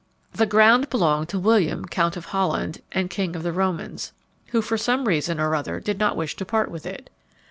The ground belonged to William Count of Holland and King of the Romans, who for some reason or other did not wish to part with it.